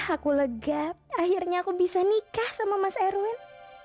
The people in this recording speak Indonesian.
aku legap akhirnya aku bisa nikah sama mas erwin